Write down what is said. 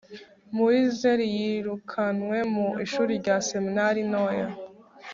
muri nzeriyirukanywe mu ishuri rya seminari ntoya